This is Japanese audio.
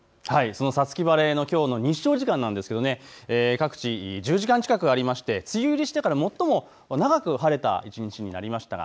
その五月晴れのきょうの日照時間なんですが各地１０時間近くありまして梅雨入りしてから最も長く晴れた一日になりました。